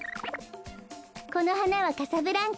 このはなはカサブランカ。